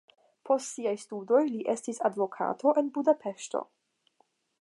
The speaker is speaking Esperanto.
Post siaj studoj li estis advokato en Budapeŝto.